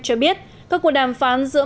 cho biết các cuộc đàm phán giữa